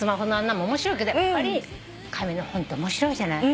なんも面白いけどやっぱり紙の本って面白いじゃない？